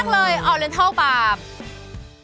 ผลิตจากอร์แกนิกและน้ำมะพร้าวบริสุทธิ์